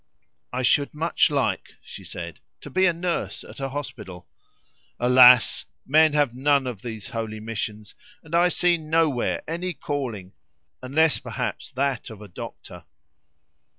"I should much like," she said, "to be a nurse at a hospital." "Alas! men have none of these holy missions, and I see nowhere any calling unless perhaps that of a doctor."